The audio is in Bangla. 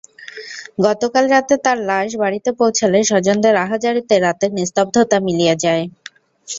গতকাল রাতে তাঁর লাশ বাড়িতে পৌঁছালে স্বজনদের আহাজারিতে রাতের নিস্তব্ধতা মিলিয়ে যায়।